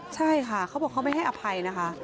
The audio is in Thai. ใช่ค่ะเขาบอกเขาไม่ให้อภัยนะคะ